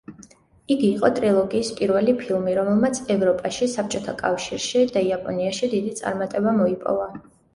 იგი იყო ტრილოგიის პირველი ფილმი, რომელმაც ევროპაში, საბჭოთა კავშირში და იაპონიაში დიდი წარმატება მოიპოვა.